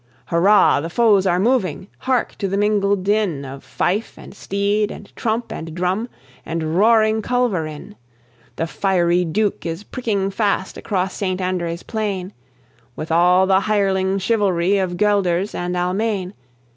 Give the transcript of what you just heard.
Hurrah! the foes are moving. Hark to the mingled din Of fife, and steed, and trump, and drum, and roaring culverin. The fiery Duke is pricking fast across St. André's plain, With all the hireling chivalry of Guelders and Almayne.